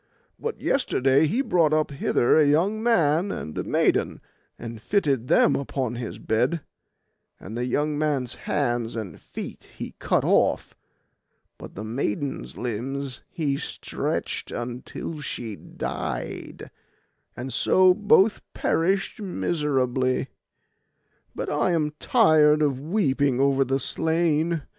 But yesterday he brought up hither a young man and a maiden, and fitted them upon his bed; and the young man's hands and feet he cut off, but the maiden's limbs he stretched until she died, and so both perished miserably—but I am tired of weeping over the slain.